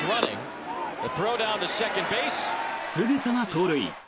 すぐさま盗塁。